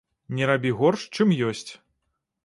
Не рабі горш, чым ёсць.